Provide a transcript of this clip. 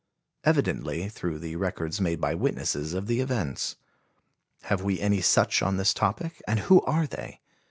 Evidently through the records made by witnesses of the events. Have we any such on this topic and who are they?